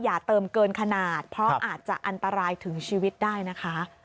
อย่าเติมเกินขนาดเพราะอาจจะอันตรายถึงชีวิตได้นะคะ